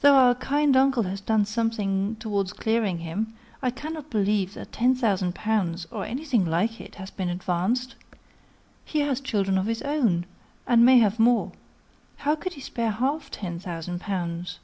Though our kind uncle has done something towards clearing him, I cannot believe that ten thousand pounds, or anything like it, has been advanced. He has children of his own, and may have more. How could he spare half ten thousand pounds?"